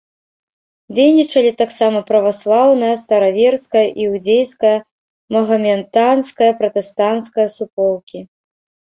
Дзейнічалі таксама праваслаўная, стараверская, іудзейская, магаметанская, пратэстанцкая суполкі.